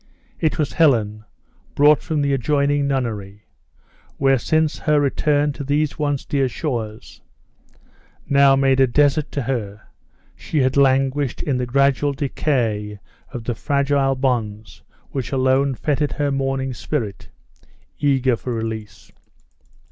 It was Helen, brought from the adjoining nunnery, where since her return to these once dear shores, now made a desert to her, she had languished in the gradual decay of the fragile bonds which alone fettered her mourning spirit, eager for release.